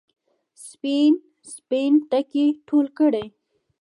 سپین، سپین ټکي ټول کړي